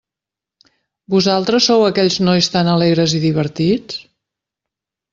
Vosaltres sou aquells nois tan alegres i divertits?